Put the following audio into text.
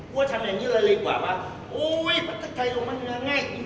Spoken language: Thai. กูทำอย่างนี้เลยกว่าโอ้ยปลาชัดใครลงมาหน่าง่ายจริง